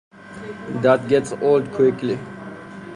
That gets old quickly.